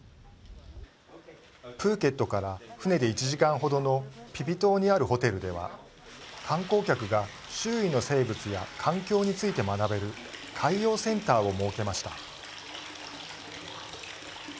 プーケットから船で１時間程のピピ島にあるホテルでは観光客が周囲の生物や環境について学べる海洋センターを設けました。